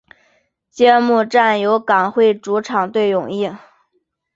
揭幕战由港会主场对永义。